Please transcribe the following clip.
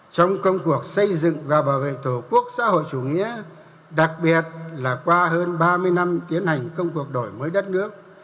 trong công cuộc xây dựng và bảo vệ tổ quốc xã hội chủ nghĩa đặc biệt là qua hơn ba mươi năm tiến hành công cuộc đổi mới đất nước